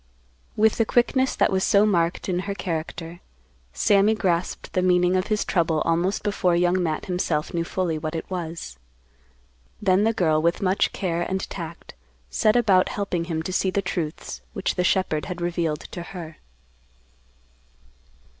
With the quickness that was so marked in her character, Sammy grasped the meaning of his trouble almost before Young Matt himself knew fully what it was. Then the girl, with much care and tact, set about helping him to see the truths which the shepherd had revealed to her.